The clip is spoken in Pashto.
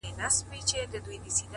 هغه زما تيارې کوټې ته څه رڼا ورکوي’